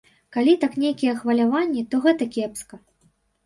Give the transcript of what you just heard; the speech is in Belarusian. Калі так нейкія хваляванні, то гэта кепска.